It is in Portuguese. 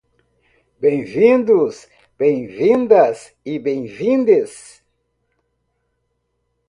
bem-vindos, bem-vindas e bem-vindes